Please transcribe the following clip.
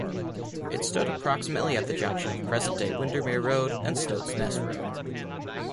It stood approximately at the junction of present-day Windermere Road and Stoat's Nest Road.